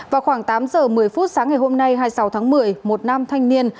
vào khoảng tám giờ một mươi phút sáng ngày hôm nay hai mươi sáu tháng một mươi một nam thanh niên